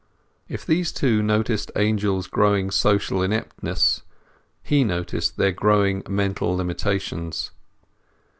If these two noticed Angel's growing social ineptness, he noticed their growing mental limitations.